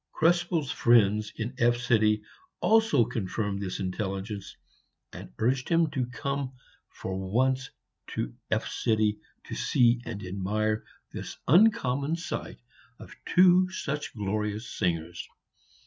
Krespel's friends in F also confirmed this intelligence, and urged him to come for once to F to see and admire this uncommon sight of two such glorious singers.